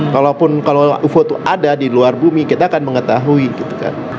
kalaupun kalau foto ada di luar bumi kita akan mengetahui gitu kan